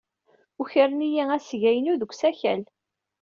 Ukren-iyi asga-inu deg usakal.